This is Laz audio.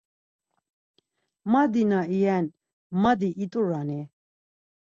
Madi na iyen, madi it̆urani?